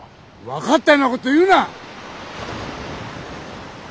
分かったようなことを言うな！